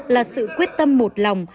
là sự quyết tâm một lòng